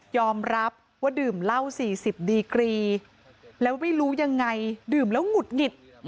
รับว่าดื่มเหล้า๔๐ดีกรีแล้วไม่รู้ยังไงดื่มแล้วหงุดหงิด